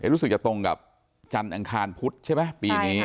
รู้สึกจะตรงกับจันทร์อังคารพุธใช่ไหมปีนี้